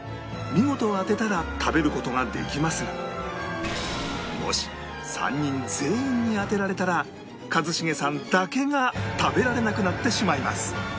見事当てたら食べる事ができますがもし３人全員に当てられたら一茂さんだけが食べられなくなってしまいます